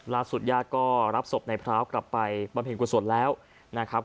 ลาสุดยาก็รับศพในพระเฮาะกลับไปบำเผ็ดกว่าสวดแล้วนะครับ